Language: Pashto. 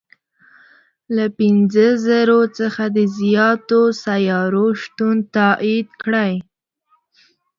له پنځه زرو څخه د زیاتو سیارو شتون تایید کړی.